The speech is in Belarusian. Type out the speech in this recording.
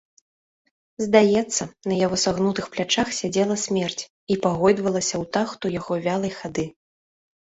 Здаецца, на яго сагнутых плячах сядзела смерць і пагойдвалася ў тахту яго вялай хады.